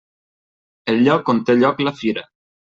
El lloc on té lloc la fira.